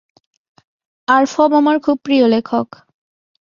আরফব আমার খুব প্রিয় লেখক।